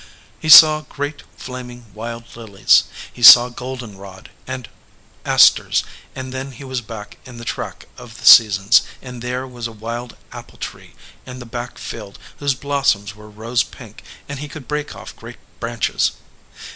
He saw great flaming wild lilies. He saw goldenrod, and asters, and then he was back in the track of the seasons, and there \vas a wild apple tree in the back field whose blossoms were rose pink, and he could break off great branches.